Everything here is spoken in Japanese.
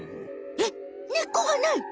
えっ根っこがない！